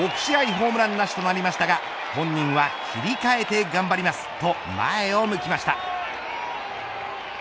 ホームランなしとなりましたが本人は切り替えて頑張りますと前を向きました。